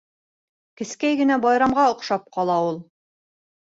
Кескәй генә байрамға оҡшап ҡала ул.